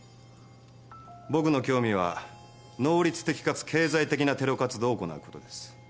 僕の興味は能率的かつ経済的なテロ活動を行うことです。